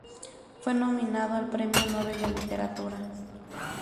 Fue nominado al premio Nobel de Literatura.